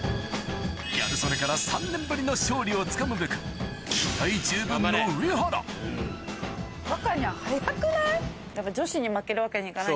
ギャル曽根から３年ぶりの勝利をつかむべく気合十分の上原うわ！